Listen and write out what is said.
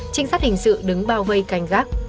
trinh sát hình sự đứng bao vây canh gác